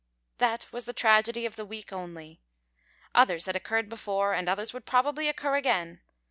That was the tragedy of the week only. Others had occurred before and others would probably occur again.